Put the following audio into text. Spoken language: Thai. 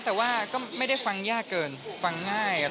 แต่ว่าก็ไม่ได้ฟังยากเกินฟังง่าย